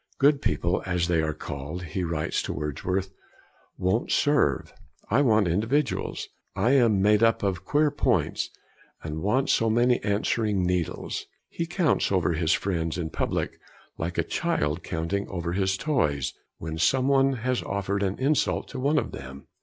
'Good people, as they are called,' he writes to Wordsworth, 'won't serve. I want individuals. I am made up of queer points and want so many answering needles.' He counts over his friends in public, like a child counting over his toys, when some one has offered an insult to one of them.